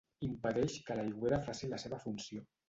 Impedeix que l'aigüera faci la seva funció.